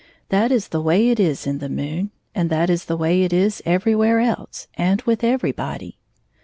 That is the way it is in the moon, — and that is the way it is everywhere else and with everybody.